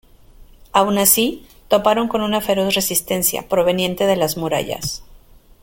Aun así, toparon con una feroz resistencia, proveniente de las murallas.